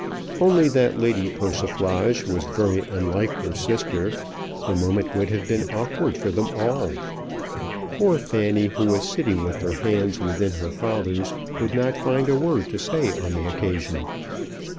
Only that Lady Persiflage was very unlike her sister, the moment would have been awkward for them all. Poor Fanny, who was sitting with her hand within her father's, could not find a word to say on the occasion.